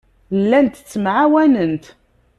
Llant ttemɛawanent.